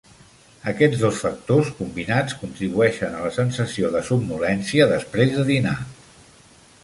Aquests dos factors combinats contribueixen a la sensació de somnolència després de dinar.